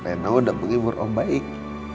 reina udah menghibur om baik